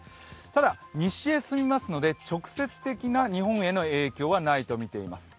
ただ西へ進みますので、直接的な日本への影響はないと見ています。